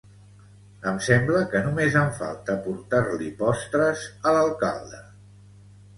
Em sembla que només em falta portar-li postres a l'alcalde